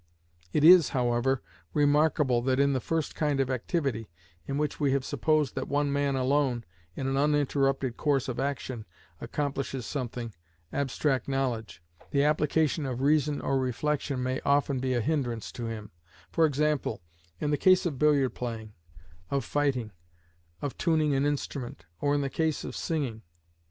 It is, however, remarkable that in the first kind of activity, in which we have supposed that one man alone, in an uninterrupted course of action, accomplishes something, abstract knowledge, the application of reason or reflection, may often be a hindrance to him; for example, in the case of billiard playing, of fighting, of tuning an instrument, or in the case of singing.